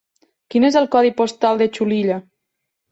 Quin és el codi postal de Xulilla?